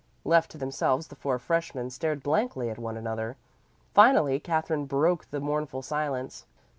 Left to themselves the four freshmen stared blankly at one another. Finally Katherine broke the mournful silence.